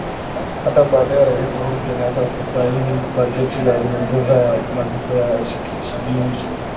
Hata baada ya Raisi Uhuru Kenyatta kusaini bajeti ya nyongeza kwa malipo ya shilingi